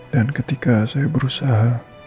dan ketika saya berusaha